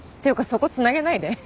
そこ繋げないで。